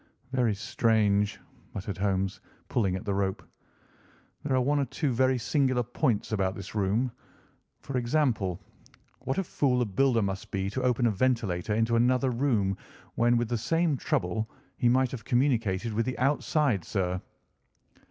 "Very strange!" muttered Holmes, pulling at the rope. "There are one or two very singular points about this room. For example, what a fool a builder must be to open a ventilator into another room, when, with the same trouble, he might have communicated with the outside air!"